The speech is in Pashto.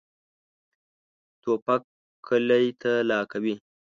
توپک کلی تالا کوي.